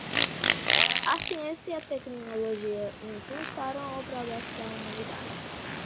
A ciência e a tecnologia impulsionam o progresso da humanidade.